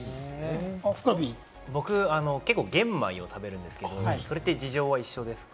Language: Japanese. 僕は結構、玄米を食べるんですけれど、それは事情は一緒ですか？